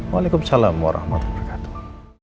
waalaikumsalam wa rahmatullahi wa barakatuh